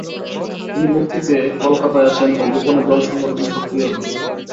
তিনি মুক্তি পেয়ে কলকাতায় আসেন ও গোপনে দল সংগঠনে সক্রিয় হন।